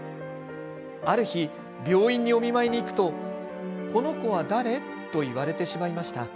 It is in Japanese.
ある日、病院にお見舞いに行くと「この子は誰？」と言われてしまいました。